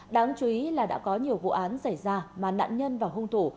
đáng chú ý là đã có nhiều vụ án xảy ra mà nạn nhân và hung thủ